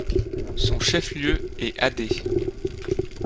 Son chef-lieu est Adé.